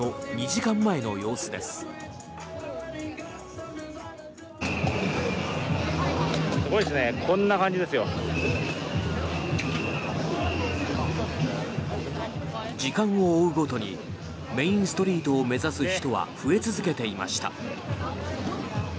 時間を追うごとにメインストリートを目指す人は増え続けていました。